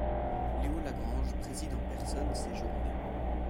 Léo Lagrange préside en personne ces journées.